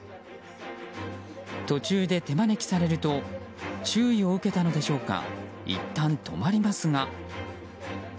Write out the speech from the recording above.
途中で手招きされると注意を受けたのでしょうかいったん止まりますが。